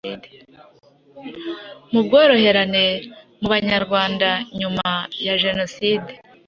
nubworoherane mu Banyarwanda nyuma ya jenoside –